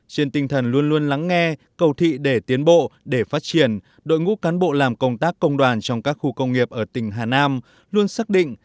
trên tinh thần luôn luôn lắng nghe cầu thị để tiến bộ để phát triển đội ngũ cán bộ làm công tác công đoàn trong các khu công nghiệp ở tỉnh hà nam luôn xác định